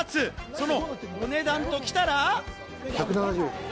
そのお値段ときたら。